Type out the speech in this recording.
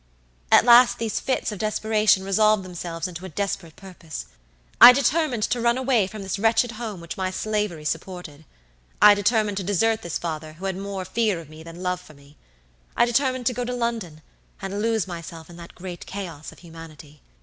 "At last these fits of desperation resolved themselves into a desperate purpose. I determined to run away from this wretched home which my slavery supported. I determined to desert this father who had more fear of me than love for me. I determined to go to London and lose myself in that great chaos of humanity.